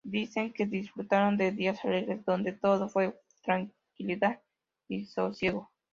Dicen que disfrutaron de días alegres, donde todo fue tranquilidad y sosiego.